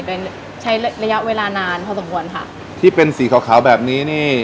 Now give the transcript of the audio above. โดยใช้ระยะเวลานานพอสมควรค่ะที่เป็นสีขาวขาวแบบนี้นี่